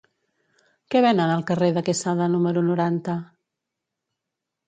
Què venen al carrer de Quesada número noranta?